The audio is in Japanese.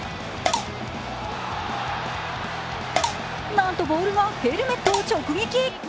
なんとボールがヘルメットを直撃。